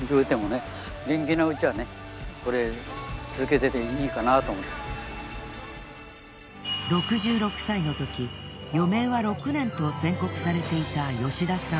だから６６歳の時余命は６年と宣告されていた吉田さん。